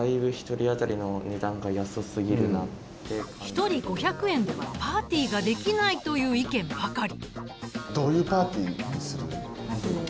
一人５００円ではパーティーができないという意見ばかり。